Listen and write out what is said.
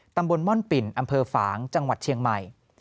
ตำบลม่อนปิ่นอำเภอฝางจังหวัดเชียงใหม่